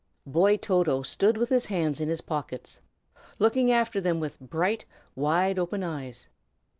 Boy Toto stood with his hands in his pockets, looking after them with bright, wide open eyes.